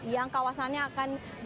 yang kawasannya akan ditemukan